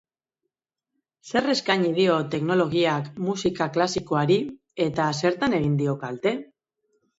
Zer eskaini dio teknologiak musika klasikoari eta zertan egin dio kalte?